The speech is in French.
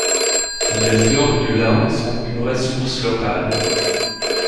Les fleurs de lin sont une ressource locale.